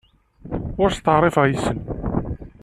Ur steɛṛifeɣ yes-sen.